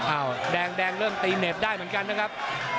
แดงเริ่มตีเหน็บได้เหมือนกันนะครับ